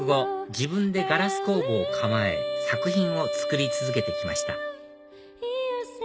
自分でガラス工房を構え作品を作り続けてきました